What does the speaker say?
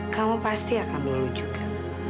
kamu pasti akan lulus juga